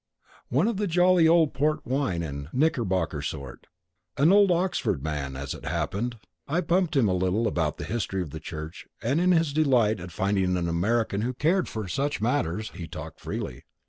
One of the jolly old port wine and knicker bocker sort: an old Oxford man, as it happened. I pumped him a little about the history of the church, and in his delight at finding an American who cared for such matters he talked freely.